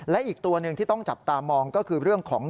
และอีกตัวหนึ่งที่ต้องจับตามองก็คือเรื่องของ